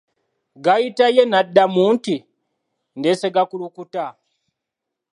Gayita ye n'addamuu nti, ndesse gakulukuta.